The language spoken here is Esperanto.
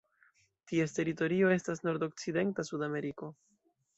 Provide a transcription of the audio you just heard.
Ties teritorio estas nordokcidenta Sudameriko.